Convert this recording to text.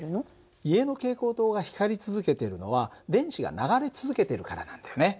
家の蛍光灯が光り続けてるのは電子が流れ続けているからなんだよね。